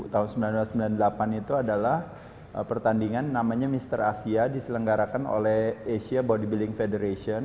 tahun seribu sembilan ratus sembilan puluh delapan itu adalah pertandingan namanya mr asia diselenggarakan oleh asia body building federation